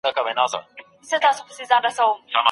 افغانستان د نړیوالو اقلیمي تړونونو څخه سترګي نه پټوي.